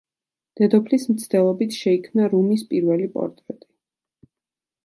დედოფლის მცდელობით შეიქმნა რუმის პირველი პორტრეტი.